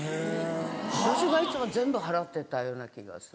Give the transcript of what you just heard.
私がいつも全部払ってたような気がする。